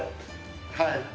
はい。